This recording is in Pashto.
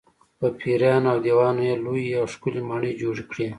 په پېریانو او دیوانو یې لویې او ښکلې ماڼۍ جوړې کړې.